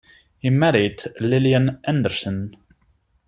He married Lillian Anderson.